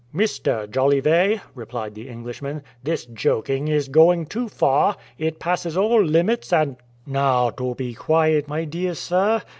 "Mr. Jolivet," replied the Englishman, "this joking is going too far, it passes all limits and " "Now do be quiet, my dear sir.